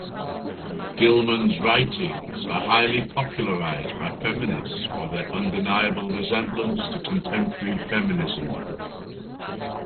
Gilman's writings are highly popularized by feminists for their undeniable resemblance to contemporary feminism.